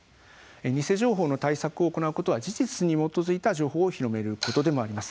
偽情報の対策を行うことは事実に基づいた情報を広めることでもあります。